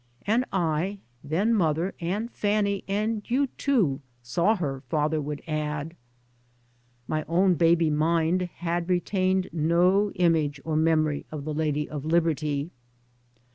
" And I, then mother, and Fanny, and you too saw her," father would add. My own baby mind had retained no image or memory of the Lady of Liberty.